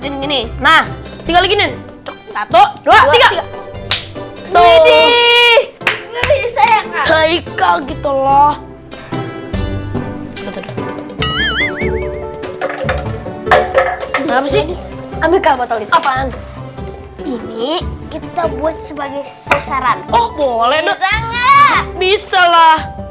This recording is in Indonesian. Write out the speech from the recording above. ngapain sih amir kakak apaan ini kita buat sebagai sasaran oh boleh bisa lah